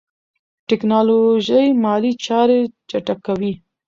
ټیکنالوژي مالي چارې چټکوي.